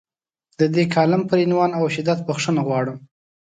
د دې کالم پر عنوان او شدت بخښنه غواړم.